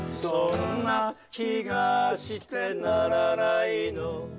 「そんな気がしてならないの」